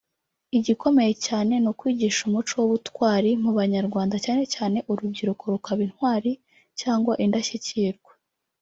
igikomeye cyane ni ukwigisha umuco w’ubutwari mu Banyarwanda cyane cyane urubyiruko rukaba intwari cyangwa indashyikirwa”